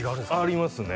ありますね